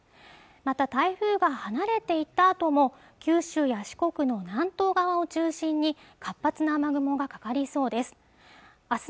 また台風が離れていったあとも九州や四国の南東側を中心に活発な雨雲がかかりそうです